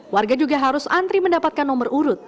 warga juga harus antri mendapatkan nomor urut